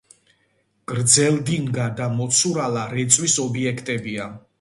გრძელდინგა და მოცურალა რეწვის ობიექტებია.